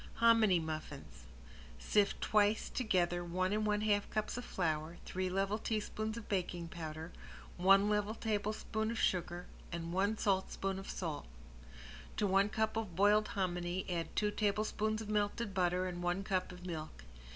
~HOMINY MUFFINS~ Sift twice together one and one half cups of flour, three level teaspoons of baking powder, one level tablespoon of sugar, and a saltspoon of salt. To one cup of boiled hominy add two tablespoons of melted butter and one cup of milk.